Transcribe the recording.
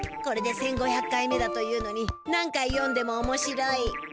これで１，５００回目だというのに何回読んでもおもしろい！